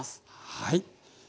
はい。